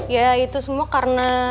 ya itu semua karena